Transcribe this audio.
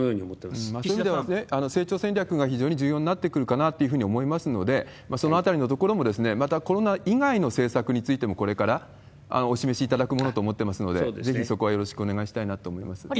岸田さん、そういう意味では成長戦略が非常に重要になってくるかなというふうに思いますので、そのあたりのところも、またコロナ以外の政策についても、これからお示しいただくものと思っていますので、ぜひそこはよろしくお堀さん、どうぞ。